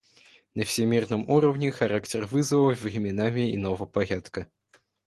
На всемирном уровне характер вызовов временами иного порядка.